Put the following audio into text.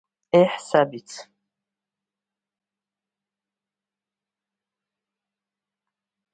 Еҳ, сабиц…